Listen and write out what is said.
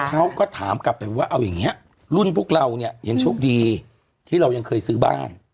เขาก็ถามกลับไปว่าเอาอย่างนี้รุ่นพวกเราเนี่ยยังโชคดีที่เรายังเคยซื้อบ้าน